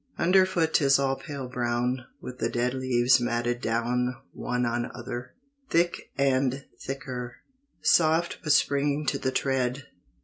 Underfoot 'tis all pale brown With the dead leaves matted down One on other, thick and thicker; Soft, but springing to the tread.